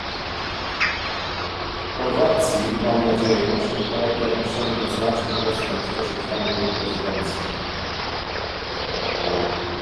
Chorwacji mam nadzieję, że kraj ten osiągnie znaczny postęp w czasie trwania tej prezydencji